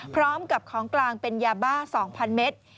พร้อมกับของกลางเป็นยาบ้า๒๐๐เมตร